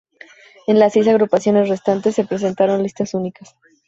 En las seis agrupaciones restantes se presentaron listas únicas.